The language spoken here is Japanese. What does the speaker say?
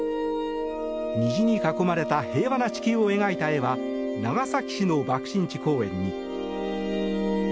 虹に囲まれた平和な地球を描いた絵は長崎市の爆心地公園に。